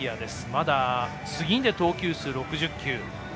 まだ、次で投球数６０球。